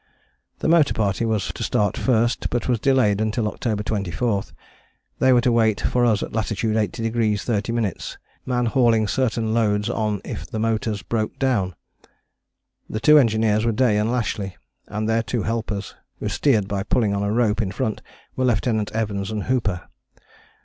The motor party was to start first, but was delayed until October 24. They were to wait for us in latitude 80° 30´, man hauling certain loads on if the motors broke down. The two engineers were Day and Lashly, and their two helpers, who steered by pulling on a rope in front, were Lieutenant Evans and Hooper.